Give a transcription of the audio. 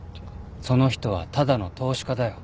その人はただの投資家だよ。